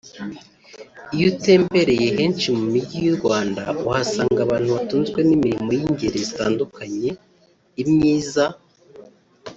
Iyo utembereye henshi mu mijyi y’u Rwanda uhasanga abantu batunzwe n’imirimo y’ingeri zitandukanye ; imyiza